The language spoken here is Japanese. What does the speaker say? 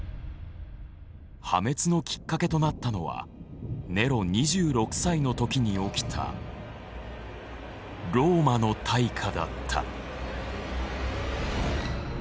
破滅のきっかけとなったのはネロ２６歳の時に起きた「ローマの大火」だった。